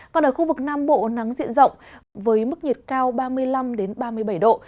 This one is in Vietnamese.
còn ở khu vực nam bộ nắng diện rộng với mức nhiệt cao ba mươi năm ba mươi bảy độ